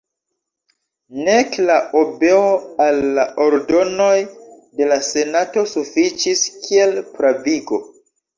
Nek la obeo al la ordonoj de la senato sufiĉis kiel pravigo.